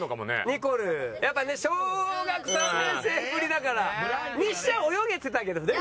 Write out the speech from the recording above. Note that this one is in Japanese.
ニコルやっぱね小学３年生ぶりだから。にしちゃ泳げてたけどね。